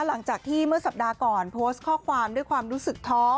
หลังจากที่เมื่อสัปดาห์ก่อนโพสต์ข้อความด้วยความรู้สึกท้อ